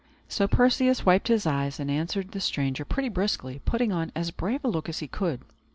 So Perseus wiped his eyes, and answered the stranger pretty briskly, putting on as brave a look as he could.